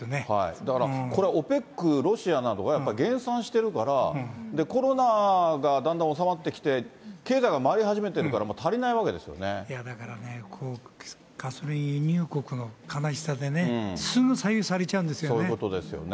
だからこれ、ＯＰＥＣ、ロシアなどがやっぱり減産してるから、コロナがだんだん収まってきて、経済が回り始めてるからもう足りだからね、ガソリン輸入国の悲しさでね、すぐ左右されちゃうんですよね。